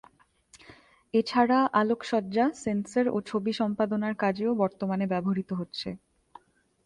এছাড়া আলোকসজ্জা, সেন্সর ও ছবি সম্পাদনার কাজেও বর্তমানে ব্যবহৃত হচ্ছে।